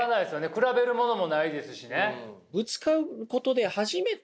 比べるものもないですしね。